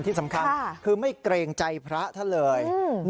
ที่สำคัญคือไม่เกรงใจพระท่านเลย